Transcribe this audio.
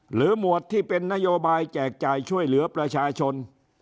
หมวดที่เป็นนโยบายแจกจ่ายช่วยเหลือประชาชน